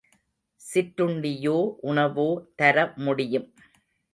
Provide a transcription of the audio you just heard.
சிற்றுண்டியோ உணவோ தர முடியும்.